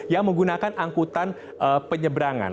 yang menggunakan angkutan penyeberangan